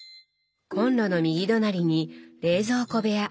コンロの右隣に冷蔵庫部屋。